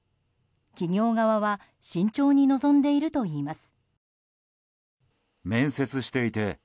企業側は慎重に臨んでいるといいます。